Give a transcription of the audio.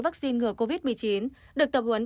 vaccine ngừa covid một mươi chín được tập huấn